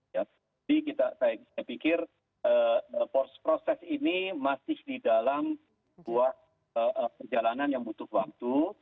jadi saya pikir proses ini masih di dalam perjalanan yang butuh waktu